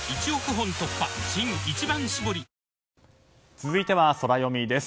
続いてはソラよみです。